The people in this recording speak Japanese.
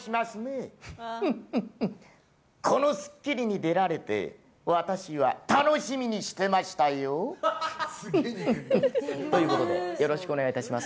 この『スッキリ』に出られて私は楽しみにしてましたよ。ということでよろしくお願いいたします。